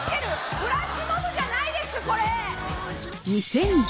フラッシュモブじゃないですこれ。